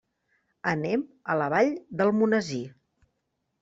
Anem a la Vall d'Almonesir.